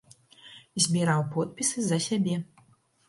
Збіраў подпісы за сябе.